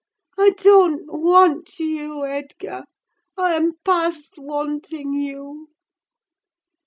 I don't want you, Edgar: I'm past wanting you.